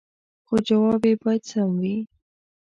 خو جواب يې باید سم وي